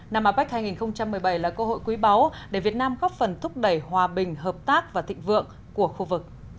năm apec hai nghìn một mươi bảy là cơ hội quý báu để việt nam góp phần thúc đẩy hòa bình hợp tác và thịnh vượng của khu vực